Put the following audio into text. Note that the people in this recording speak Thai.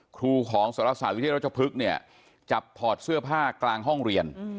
ครูของสรศาสตวิทยารัชพฤกษ์เนี่ยจับถอดเสื้อผ้ากลางห้องเรียน